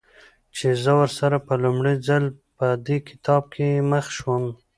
چې زه ورسره په لومړي ځل په دې کتاب کې مخ شوم.